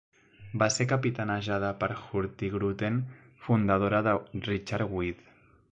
Va ser capitanejada per Hurtigruten fundadora de Richard With.